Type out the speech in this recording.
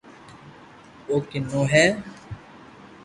او ڪنو ھي